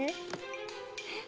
えっ？